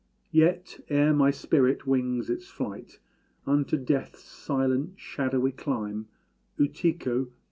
Yet, ere my spirit wings its flight Unto Death's silent shadowy clime, Utíko!